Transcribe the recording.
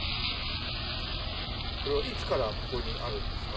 これはいつからここにあるんですか？